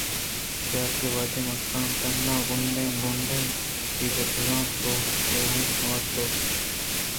چیاکہ وہدے من کسان اِتاں ءُ گوٛنڈ گوٛنڈیں چیزے دزّاِت ءُ لوگ ءَ آئورت